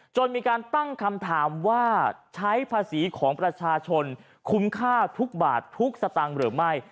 จนมีการตั้งคำถามว่าใช้ภาษีของประชาชนคุ้มค่าทุกบาททุกสตางค์หรือไม่